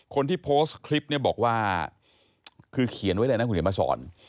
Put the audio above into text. คนที่โพสต์คลิปเนี่ยบอกว่าคือเขียนไว้เลยนะคุณเขียนมาสอน